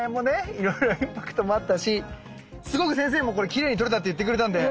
いろいろインパクトもあったしすごく先生もこれきれいに撮れたって言ってくれたんで。